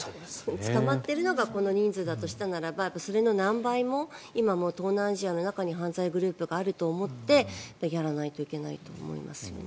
捕まってるのがこの人数だとしたならばそれの何倍も今も東南アジアの中に犯罪グループがあると思ってやらないといけないと思いますよね。